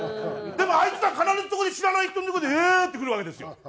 でもあいつら必ずそこで知らない人のとこでウワーって来るわけですよ。